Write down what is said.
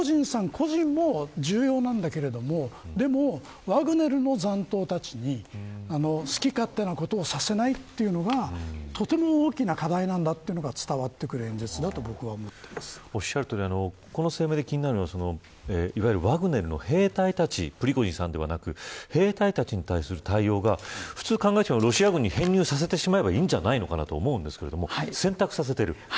個人も重要なんだけれどでもワグネルの残党たちに好き勝手なことをさせないというのがとても大きな課題なんだというのが伝わってくる演説だとこの声明で気になるのはいわゆるワグネルの兵隊たちプリゴジンさんではなく兵隊たちに対する対応がロシア軍に編入させてしまえばいいんじゃないかと思いますが選択させている。